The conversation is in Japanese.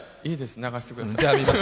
流してください。